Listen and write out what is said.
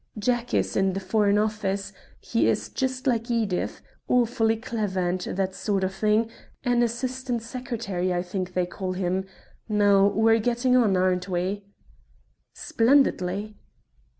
Jack is in the Foreign Office; he is just like Edith, awfully clever and that sort of thing, an assistant secretary I think they call him. Now we're getting on, aren't we?" "Splendidly."